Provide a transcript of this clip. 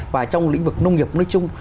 và trong lĩnh vực nông nghiệp nói chung